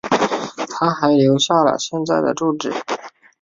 她还留下了现在的住址。